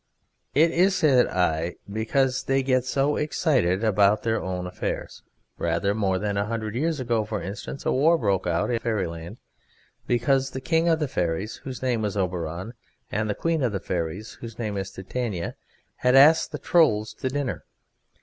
"It is," said I, "because they get so excited about their own affairs. Rather more than a hundred years ago, for instance, a war broke out in Fairyland because the King of the Fairies, whose name is Oberon, and the Queen of the Fairies, whose name is Titania, had asked the Trolls to dinner.